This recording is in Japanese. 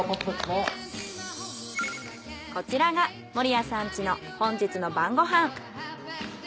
こちらが森谷さん家の本日の晩ご飯。